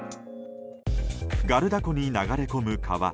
ガルダ湖に流れ込む川。